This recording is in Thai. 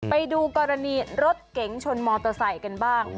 ไปดูกรณีรถเก๋งชนมอเตอร์ไซค์กันบ้าง